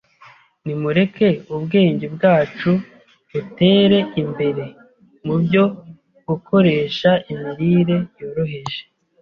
Nimureke ubwenge bwacu butere imbere mu byo gukoresha imirire yoroheje.